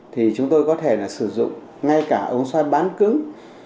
thì chúng tôi có thể là sử dụng ngay cả ống xoay bán cứng